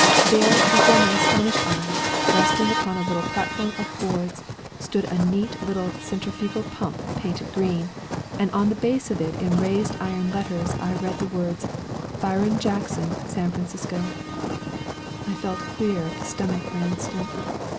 There, before my astonished eyes, resting upon a little platform of boards, stood a neat little centrifugal pump painted green, and on the base of it in raised iron letters I read the words, 'Byron Jackson, San Francisco.' I felt queer at the stomach for an instant.